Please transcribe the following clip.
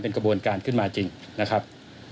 กระบวนการขึ้นมาจริงนะครับ